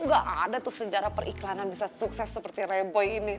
gak ada tuh sejarah periklanan bisa sukses seperti reboy ini